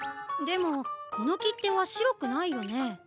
でもこのきってはしろくないよね。